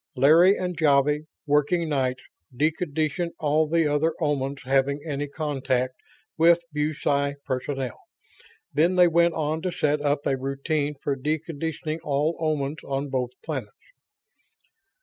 Larry and Javvy, working nights, deconditioned all the other Omans having any contact with BuSci personnel; then they went on to set up a routine for deconditioning all Omans on both planets.